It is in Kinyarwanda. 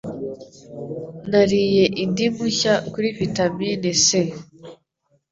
Nariye indimu nshya kuri vitamine C.